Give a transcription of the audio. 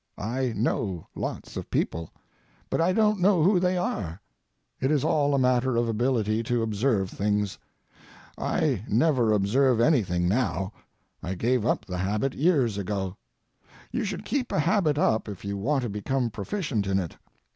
I know lots of people, but I don't know who they are. It is all a matter of ability to observe things. I never observe anything now. I gave up the habit years ago. You should keep a habit up if you want to become proficient in it.